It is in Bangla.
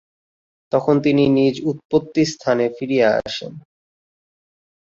তখন তিনি নিজ উৎপত্তি-স্থানে ফিরিয়া আসেন।